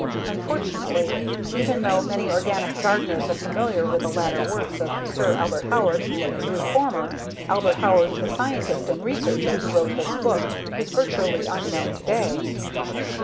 _Unfortunately, even though many organic gardeners are familiar with the later works of Sir Albert Howard the reformer, Albert Howard the scientist and researcher, who wrote this book, is virtually unknown today.